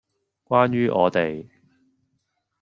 關於我地